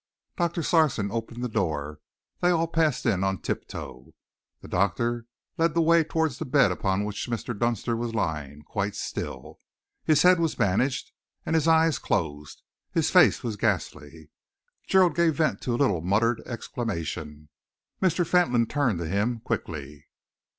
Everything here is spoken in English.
Doctor Sarson opened the door. They all passed in on tiptoe. The doctor led the way towards the bed upon which Mr. Dunster was lying, quite still. His head was bandaged, and his eyes closed. His face was ghastly. Gerald gave vent to a little muttered exclamation. Mr. Fentolin turned to him quickly.